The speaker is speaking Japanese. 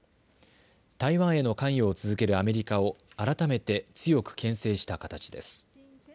台湾への関与を続けるアメリカを改めて強くけん制した形です。